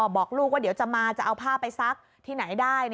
บอกลูกว่าเดี๋ยวจะมาจะเอาผ้าไปซักที่ไหนได้